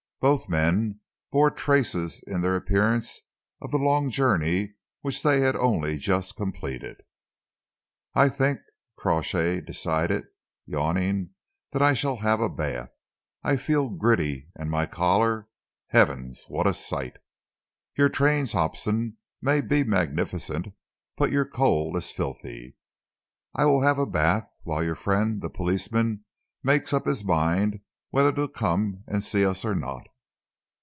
Both men bore traces in their appearance of the long journey which they had only just completed. "I think," Crawshay decided, yawning, "that I shall have a bath. I feel gritty, and my collar heavens, what a sight! Your trains, Hobson, may be magnificent, but your coal is filthy. I will have a bath while your friend, the policeman, makes up his mind whether to come and see us or not."